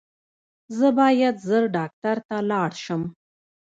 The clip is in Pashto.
زه باید ژر ډاکټر ته ولاړ شم